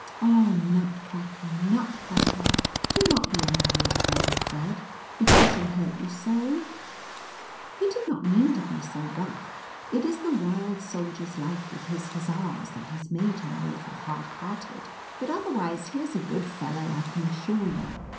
" Ah ! Nutcracker, Nutcracker, do not be angry at brother Fred "Because he hurt you so, he did not mean to be so rough; it is the wild soldier's life with his hussars that has made him a little hard hearted, but otherwise he is a good fellow, I can assure you.